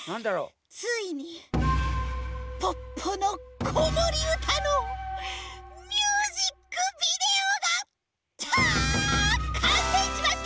ついに「ポッポのこもりうた」のミュージックビデオがかんせいしました！